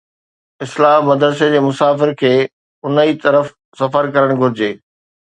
اصلاح مدرسي جي مسافر کي ان ئي طرف سفر ڪرڻ گهرجي.